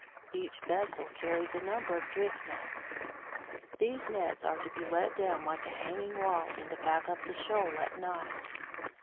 Each vessel carries a number of drift nets. These nets are to be let down like a hanging wall, in the path of the shoal, at night.